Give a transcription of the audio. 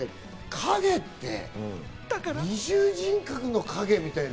影って二重人格の影みたいな。